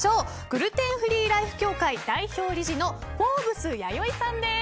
グルテンフリーライフ協会代表理事のフォーブス弥生さんです。